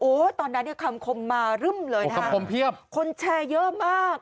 โอ้วตอนนั้นคำคมมารึ่มเลยคนแชร์เยอะมาก